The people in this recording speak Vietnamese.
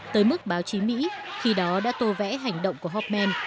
tới mức báo chí mỹ khi đó đã tô vẽ hành động của hockman